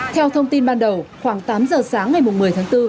theo thông tin ban đầu khoảng tám giờ sáng ngày một mươi tháng bốn